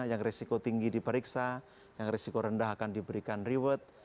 yang risiko tinggi diperiksa yang risiko rendah akan diberikan reward